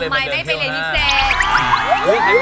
ต้องเลือกเรียน